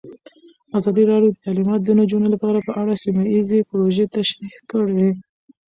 ازادي راډیو د تعلیمات د نجونو لپاره په اړه سیمه ییزې پروژې تشریح کړې.